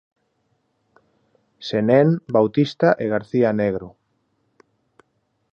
Senén, Bautista e García Negro.